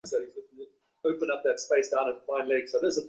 চট করে অবশ্যি কোনো কিছুই পাওয়া যায় না।